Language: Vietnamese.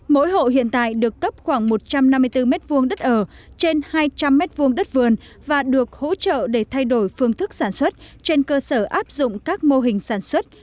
mỗi hộ hiện tại được cấp khoảng một trăm năm mươi bốn m hai đất ở trên hai trăm linh m hai đất vườn và được hỗ trợ để thay đổi phương thức sản xuất trên cơ sở áp dụng các mô hình sản xuất